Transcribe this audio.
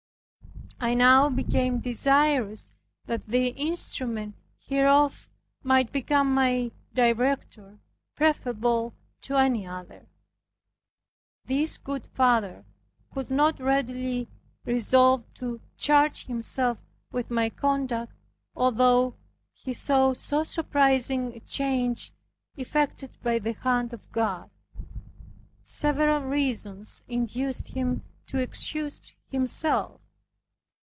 I now became desirous that the instrument hereof might become my director, preferable to any other. This good father could not readily resolve to charge himself with my conduct although he saw so surprising a change effected by the hand of God. Several reasons induced him to excuse himself.